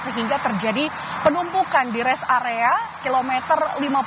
sehingga terjadi penumpukan di rest area kilometer lima puluh